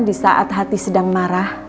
di saat hati sedang marah